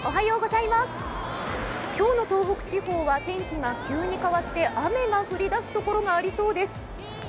今日の東北地方は天気が急に変わって雨が降り出すところがありそうです。